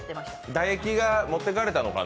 唾液が持ってかれたのかな。